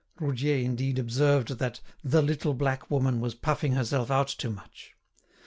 Roudier indeed observed that "the little black woman was puffing herself out too much."